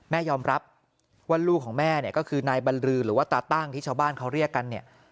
แม่ยอมรับว่าลูกของแม่เนี่ยก็คือนายบรรลือหรือว่าตาตั้งที่ชาวบ้านเขาเรียกกันเนี่ย